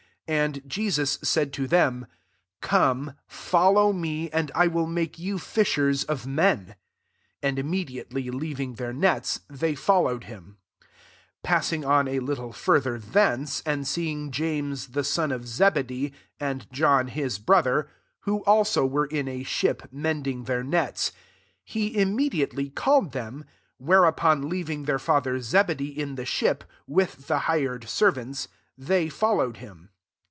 17 And Jesus said to them, " Come, follow nie, and I will make you fishers of men.'* 18 And immediately, leaving [^their'] nets, they fol lowed him, 19 Passing on a little further [_thence\ and seeing James the son of Zebedee, and John his brother, who also were in a ship, mending their nets, 20 he immediately called them : whereupon, leaving their father Zebedee in the ship, with the hired servants, they followed him.